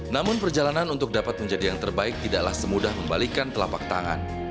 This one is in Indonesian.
namun perjalanan untuk dapat menjadi yang terbaik tidaklah semudah membalikan telapak tangan